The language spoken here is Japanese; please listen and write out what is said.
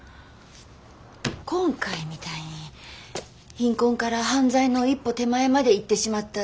今回みたいに貧困から犯罪の一歩手前までいってしまった児童。